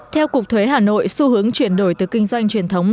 theo cục thuế hà nội xu hướng chuyển đổi từ kinh doanh truyền thống